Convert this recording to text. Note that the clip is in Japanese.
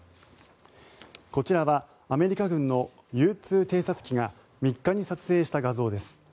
こちらはアメリカ軍のＵ２偵察機が３日に撮影した映像です。